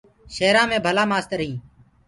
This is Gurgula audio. شيرآنٚ مي ڀلآ مآستر هينٚ۔